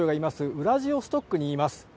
ウラジオストクにいます。